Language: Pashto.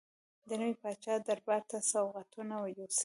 د نوي پاچا دربار ته سوغاتونه یوسي.